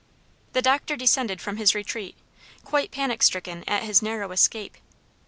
The doctor descended from his retreat, quite panic stricken at his narrow escape.